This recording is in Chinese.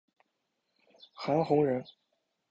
韩弘人。